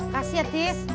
kasih ya tis